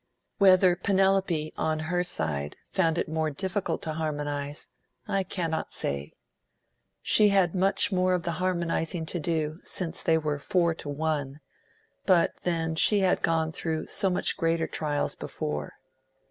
Whether Penelope, on her side, found it more difficult to harmonise, I cannot say. She had much more of the harmonising to do, since they were four to one; but then she had gone through so much greater trials before.